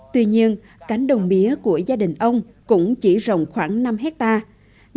tuy nhiên cánh đồng mía của gia đình ông cũng chỉ rộng khoảng năm hectare